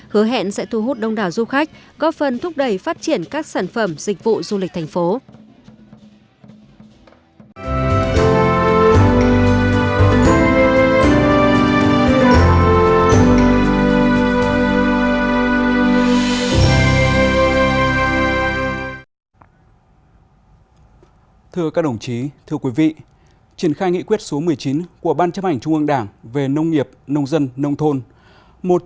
hứa hẹn sẽ thu hút đông đảo du khách góp phần thúc đẩy phát triển các sản phẩm dịch vụ du lịch thành phố